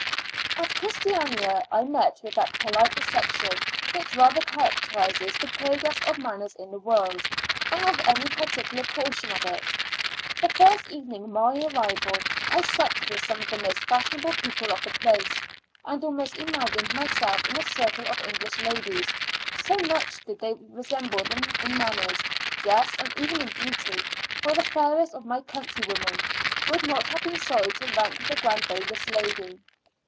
At Christiania I met with that polite reception, which rather characterises the progress of manners in the world, than of any particular portion of it. The first evening of my arrival I supped with some of the most fashionable people of the place, and almost imagined myself in a circle of English ladies, so much did they resemble them in manners, dress, and even in beauty; for the fairest of my countrywomen would not have been sorry to rank with the Grand Bailiff's lady.